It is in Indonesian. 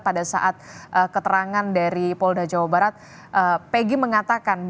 pada saat keterangan dari polda jawa barat